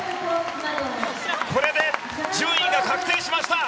これで順位が確定しました。